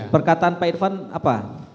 perkataan pak irfan apa